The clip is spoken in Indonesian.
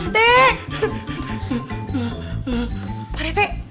pak reti pak reti aku naun